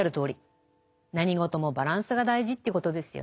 何事もバランスが大事ということですよね。